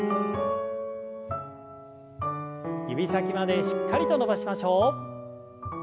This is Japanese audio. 指先までしっかりと伸ばしましょう。